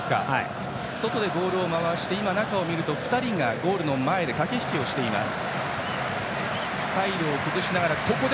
外でボールを回して中を見ると、今は２人がゴールの前で駆け引きをしています。